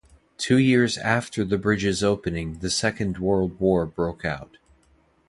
Two years after the bridge's opening the Second World War broke out.